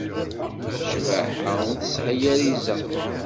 Ccbaḥa ur tesɛi ara izeɣ.